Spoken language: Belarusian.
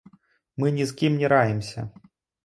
Мы ні з кім не раімся!